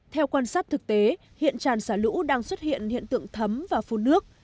theo quan sát thực tế hiện tràn xả lũ đang xuất hiện hiện tượng thấm và phun nước